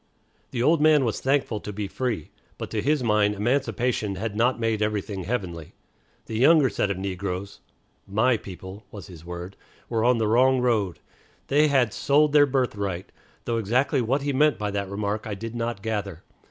The old man was thankful to be free; but to his mind emancipation had not made everything heavenly. The younger set of negroes ("my people" was his word) were on the wrong road. They had "sold their birthright," though exactly what he meant by that remark I did not gather.